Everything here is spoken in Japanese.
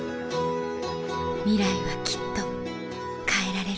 ミライはきっと変えられる